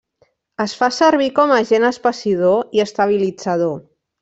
Es fa servir com agent espessidor i estabilitzador.